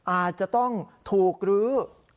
อาจจะต้องถูกรื้อ